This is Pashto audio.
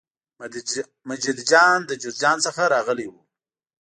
مجید جان له جوزجان څخه راغلی و.